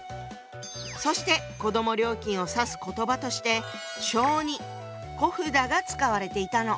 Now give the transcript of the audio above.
そして子ども料金を指す言葉として小児小札が使われていたの。